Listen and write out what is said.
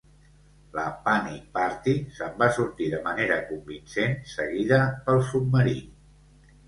La "Panic party" se'n va sortir de manera convincent, seguida pel submarí.